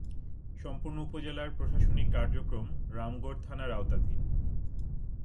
সম্পূর্ণ উপজেলার প্রশাসনিক কার্যক্রম রামগড় থানার আওতাধীন।